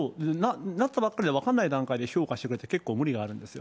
なったばっかりで分からない段階で評価してくれって、結構無理があるんですよ。